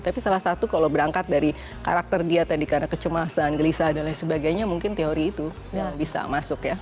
tapi salah satu kalau berangkat dari karakter dia tadi karena kecemasan gelisah dan lain sebagainya mungkin teori itu bisa masuk ya